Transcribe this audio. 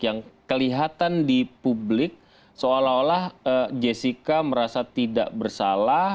yang kelihatan di publik seolah olah jessica merasa tidak bersalah